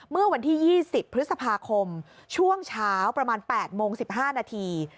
เมื่อวันที่๒๐พฤษภาคมช่วงเช้าประมาณ๘โมง๑๕นาที